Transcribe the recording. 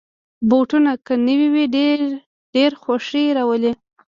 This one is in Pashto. بوټونه که نوې وي، ډېر خوښي راولي.